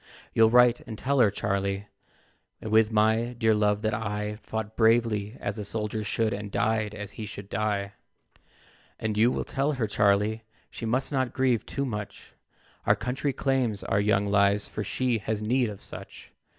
You'll write and tell her, Charlie, With my dear love, that I Fought bravely as a soldier should, And died as he should die. "And you will tell her, Charlie, She must not grieve too much, Our country claims our young lives, For she has need of such.